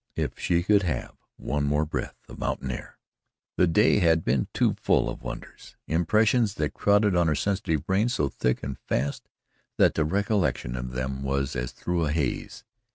If she could have one more breath of mountain air! The day had been too full of wonders. Impressions had crowded on her sensitive brain so thick and fast that the recollection of them was as through a haze.